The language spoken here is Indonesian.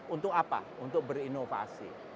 untuk apa untuk berinovasi